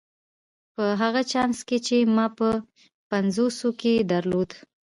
په هغه چانس کې چې ما په پنځوسو کې درلود.